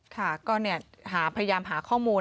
ค่ะก็พยายามหาข้อมูล